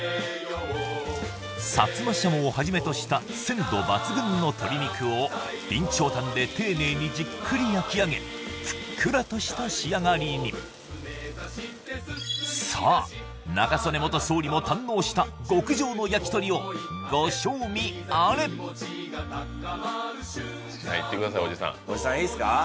薩摩シャモをはじめとした鮮度抜群の鶏肉を備長炭で丁寧にじっくり焼き上げふっくらとした仕上がりにさあ中曽根元総理も堪能した極上の焼き鳥をご賞味あれおじさんいいっすか？